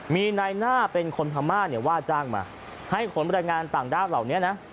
มีนายหน้าเป็นคนพม่าเนี่ยว่าจ้างมาให้ขนบรรยายงานต่างด้าวเหล่านี้นะ